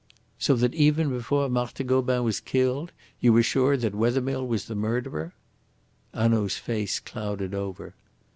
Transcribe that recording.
"So that even before Marthe Gobin was killed you were sure that Wethermill was the murderer?" Hanaud's face clouded over.